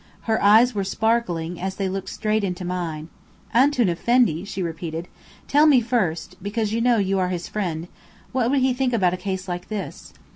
Her eyes were sparkling, as they looked straight into mine. "Antoun Effendi!" she repeated. "Tell me first because, you know, you are his friend what would he think about a case like this?